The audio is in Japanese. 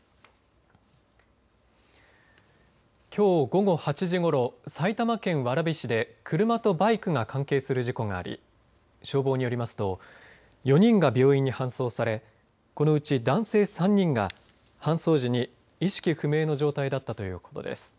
きょう午後８時ごろ埼玉県蕨市で車とバイクが関係する事故があり消防によりますと４人が病院に搬送されこのうち男性３人が搬送時に意識不明の状態だったということです。